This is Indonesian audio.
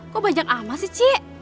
kok banyak ama sih cik